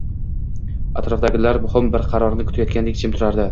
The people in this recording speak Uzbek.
Atrofdagilar muhim bir qarorni kutayotgandek jim turardi.